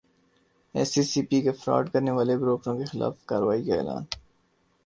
S E C P کا fraud کرنیوالے بروکروں کیخلاف کارروائی کا اعلان